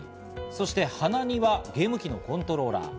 そして鼻にはゲーム機のコントローラー。